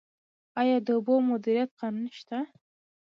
آیا د اوبو مدیریت قانون شته؟